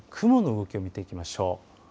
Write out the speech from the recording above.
雲の動きを見ていきましょう。